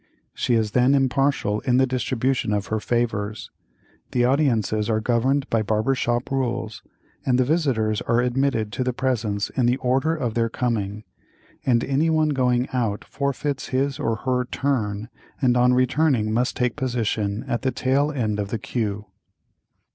She is then impartial in the distribution of her favors; the audiences are governed by barber shop rules, and the visitors are admitted to the presence in the order of their coming, and any one going out forfeits his or her "turn" and on returning must take position at the tail end of the queue.